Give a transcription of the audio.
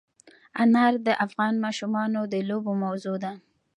انار د افغان ماشومانو د لوبو موضوع ده.